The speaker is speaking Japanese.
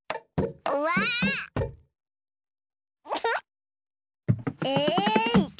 うわ！えい！